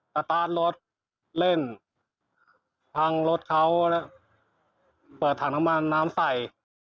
ติดตั้งรถเล่นพังรถเขาเปิดถังน้ำบาลน้ำใส